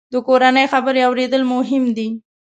د کورنۍ خبرې اورېدل مهم دي.